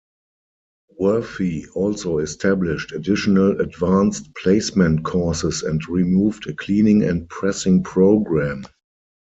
Worthy also established additional Advanced Placement courses and removed a Cleaning and Pressing Program.